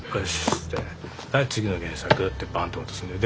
「はい次の原作」ってバンと渡すんだよ。